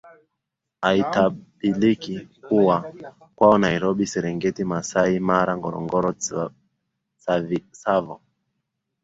Aitabiliki kuwa kwao Nairobi Serengeti Masai Mara Ngorongoro Tsavo